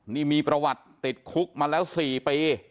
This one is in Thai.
นี่มีประวัติติดคุกมาแล้ว๔ปี